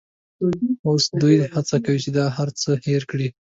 اوس دوی هڅه کوي چې دا هرڅه هېر کړي.